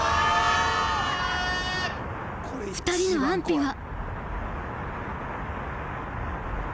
２人の安否は？